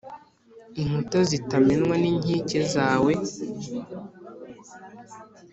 Inkuta zitamenwa z’inkike zawe,